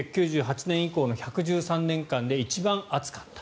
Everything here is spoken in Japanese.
ここで１８９８年以降の１１３年間で一番暑かった。